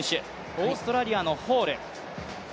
オーストラリアのホール。